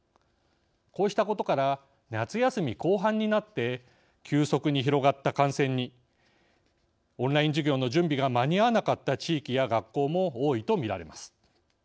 こうしたことから夏休み後半になって急速に広がった感染にオンライン授業の準備が間に合わなかった地域や学校も多いと見られます。